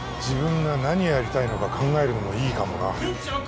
自分が何やりたいのか考えるのもいいかもな店長